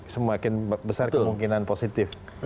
semakin besar kemungkinan positif